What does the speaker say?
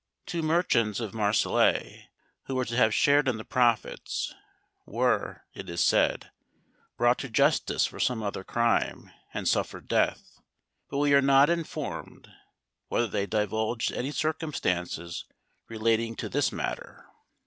Two merchants of Marseilles, who were to have shared in the profits, were, it is said, brought to justice for some other crime, and suffered death; but we are not informed whether they divulged any circumstances relating to this matter.